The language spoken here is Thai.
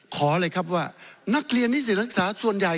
ขอเลยครับว่านักเรียนนิสิตนักศึกษาส่วนใหญ่